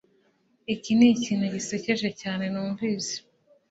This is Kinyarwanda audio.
Iki nikintu gisekeje cyane numvise